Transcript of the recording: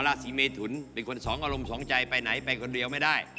ราศีเมทุนเป็นคนสองอารมณ์สองใจไปไหนไปคนเดียวไม่ได้